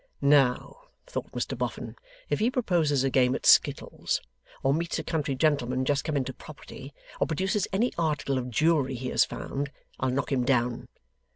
['Now,' thought Mr Boffin, 'if he proposes a game at skittles, or meets a country gentleman just come into property, or produces any article of jewellery he has found, I'll knock him down!